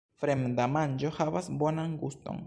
Fremda manĝo havas bonan guston.